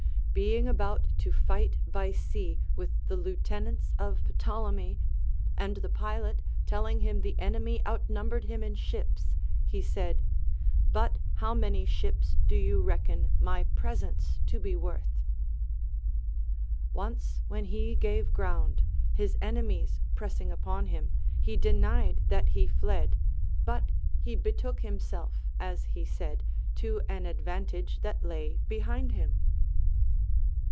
Being about to fight by sea Avith the lieutenants of Ptolemy, and the pilot telling him the enemy outnumbered him in ships, he said : But how many ships do you reckon my presence to be Avorth ? Once when he gave ground, his enemies press , ing upon him, he denied that he fled ; but he betook him self (as he said) to an advantage that lay behind him.